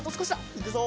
いくぞ！